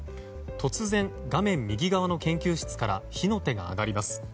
突然、画面右側の研究室から火の手が上がります。